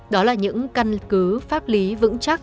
đó là những căn cứ pháp lý vững chắc